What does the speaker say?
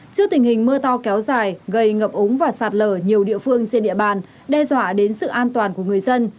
trước tình hình mưa to kéo dài gây ngập ống và sạt lở nhiều địa phương trên địa bàn đe dọa đến sự an toàn của người dân